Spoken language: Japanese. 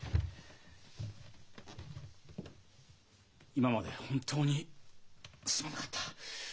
今まで本当にすまなかった。